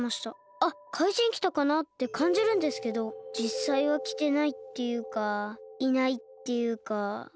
あっかいじんきたかなってかんじるんですけどじっさいはきてないっていうかいないっていうか。